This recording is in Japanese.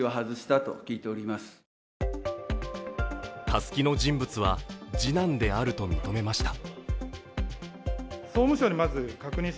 たすきの人物は次男であると認めました。